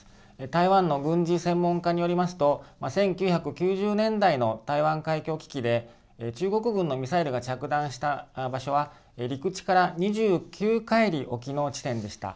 台湾の軍事専門家によりますと１９９０年代の台湾海峡危機で中国軍のミサイルが着弾した場所は陸地から２９海里沖の地点でした。